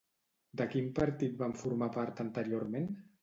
De quin partit va formar part anteriorment?